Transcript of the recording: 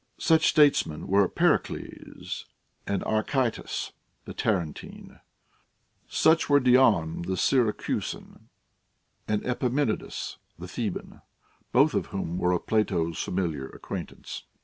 Such statesmen were Pericles and Archytas the Tarentine ; such were Dion the Syracusan and Epaminondas the Theban, both of whom were of Plato's familiar acquaintance.